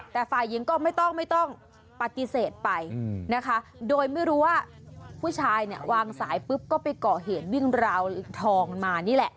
แต่ฝ่ายหญิงก็ไม่ต้องไม่ต้องปฏิเสธไปนะคะโดยไม่รู้ว่าผู้ชายเนี่ยวางสายปุ๊บก็ไปก่อเหตุวิ่งราวทองมานี่แหละ